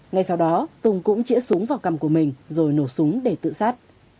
ngay sau đó tùng cũng chỉa súng vào cầm của mình rồi nổ súng để tự xát